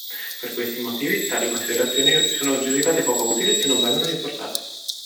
Per questi motivi, tali considerazioni sono giudicate poco utili e non vengono riportate.